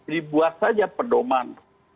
dibuat saja pedoman